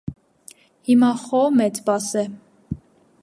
հիմա խո մե՜ծ պաս է: